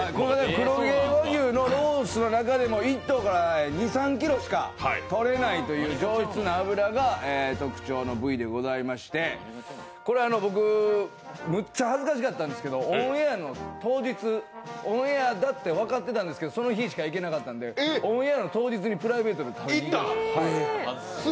黒毛和牛のロースの中でも１頭から２３ｋｇしかとれないという上質な脂が特徴の部位でございましてこれ、僕、むっちゃ恥ずかしかったんですけど、オンエアの当日、オンエアだって分かってたんですけど、その日しか行けなかったんで、オンエアの当日にプライベートで食べに行って。